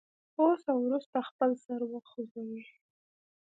اوس او وروسته خپل سر وخوځوئ.